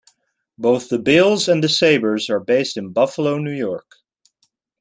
Both the Bills and the Sabres are based in Buffalo, New York.